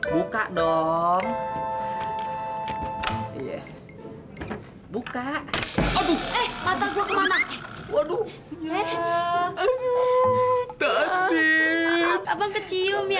biar sesama kami kumpul